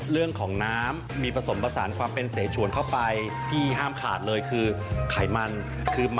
เรื่องของน้ำมีผสมผสานความเป็นเสชวนเข้าไปพี่ห้ามขาดเลยคือไขมันคือ